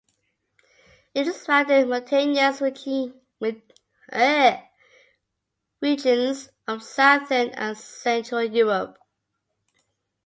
It is found in mountainous regions of southern and central Europe.